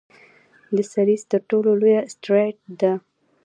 د سیریز تر ټولو لویه اسټرويډ ده.